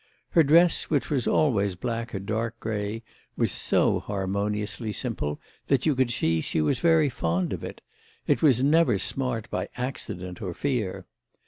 Her dress, which was always black or dark grey, was so harmoniously simple that you could see she was fond of it; it was never smart by accident or by fear.